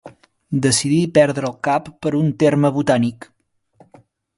Decidí perdre el cap per un terme botànic.